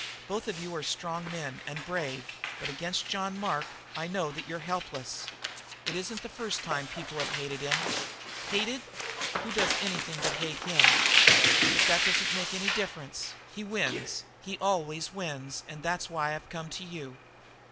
"Both of you are strong men and brave, but against John Mark I know that you're helpless. It isn't the first time people have hated him. Hated? Who does anything but hate him? But that doesn't make any difference. He wins, he always wins, and that's why I've come to you."